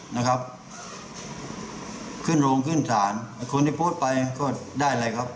นะครับขึ้นโรงขึ้นศาลไอ้คนที่โพสต์ไปก็ได้อะไรครับ